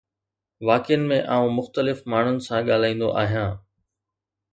واقعن ۾ آئون مختلف ماڻهن سان ڳالهائيندو آهيان